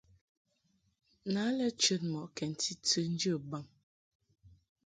Na lɛ chəd mɔʼ kɛnti tɨ njə baŋ.